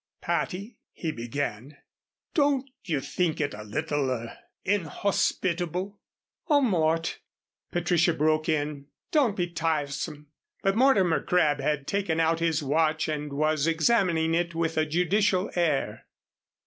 "Patty," he began, "don't you think it a little er inhospitable " "Oh, Mort," Patricia broke in, "don't be tiresome." But Mortimer Crabb had taken out his watch and was examining it with a judicial air.